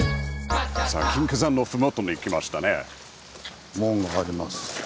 さあ金華山の麓に来ましたね。